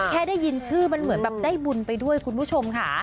ได้ยินชื่อมันเหมือนแบบได้บุญไปด้วยคุณผู้ชมค่ะ